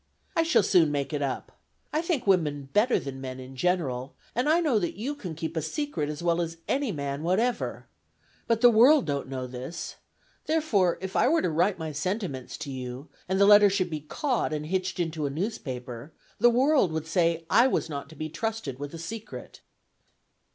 "I shall soon make it up. I think women better than men, in general, and I know that you can keep a secret as well as any man whatever. But the world don't know this. Therefore if I were to write my sentiments to you, and the letter should be caught and hitched into a newspaper, the world would say I was not to be trusted with a secret."